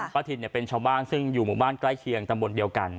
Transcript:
ถิ่นเป็นชาวบ้านซึ่งอยู่หมู่บ้านใกล้เคียงตำบลเดียวกัน